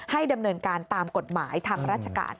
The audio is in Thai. ดำเนินการตามกฎหมายทางราชการ